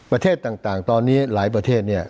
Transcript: ประเทศต่างตอนนี้หลายประเทศเนี่ย